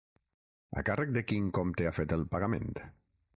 A càrrec de quin compte ha fet el pagament?